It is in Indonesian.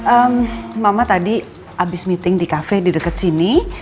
emm mama tadi abis meeting di cafe di deket sini